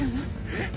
えっ？